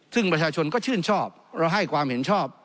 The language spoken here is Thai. ซึ่งประชาชนก็ชื่นชอบเราให้ความเห็นชอบ